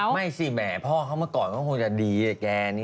ไม่สิแหมพ่อเขาเมื่อก่อนมันคงจะดีอะแกนี่แกแนว